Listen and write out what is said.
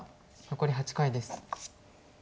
残り８回です。